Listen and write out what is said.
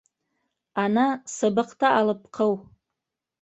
Ана, сыбыҡты алып ҡыу.